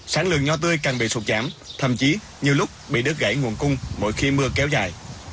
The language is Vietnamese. sản lượng nho tươi càng bị sụt giảm thậm chí nhiều lúc bị đứt gãy nguồn cung mỗi khi mưa kéo dài